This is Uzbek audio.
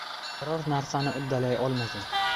Biror narsani uddalay olmagan